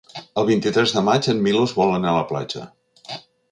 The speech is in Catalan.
El vint-i-tres de maig en Milos vol anar a la platja.